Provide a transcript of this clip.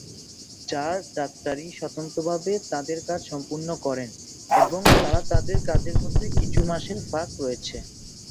চার ডাক্তারি স্বতন্ত্রভাবে তাদের কাজ সম্পূর্ণ করেন এবং তারা তাদের কাজের মধ্যে কিছু মাসের ফাঁক রয়েছে।